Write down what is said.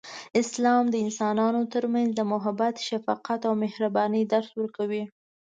اسلام د انسانانو ترمنځ د محبت، شفقت، او مهربانۍ درس ورکوي.